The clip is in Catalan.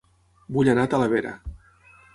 Vull anar a Talavera